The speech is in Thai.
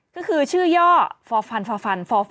ก็คือชื่อย่อฟฟฟฟ